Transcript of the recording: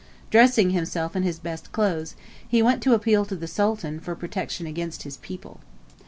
Dressing himself in his best clothes, he went to appeal to the Sultan for protection against his people.